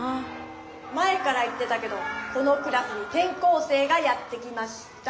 前から言ってたけどこのクラスにてん校生がやって来ました。